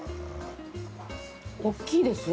大きいですよ